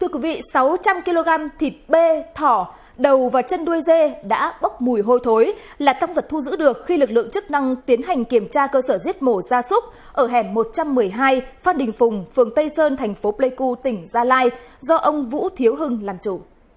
các bạn hãy đăng ký kênh để ủng hộ kênh của chúng mình nhé